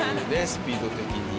スピード的に。